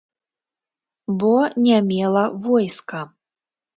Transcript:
Бо не мела войска.